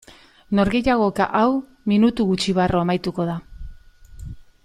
Norgehiagoka hau minutu gutxi barru amaituko da.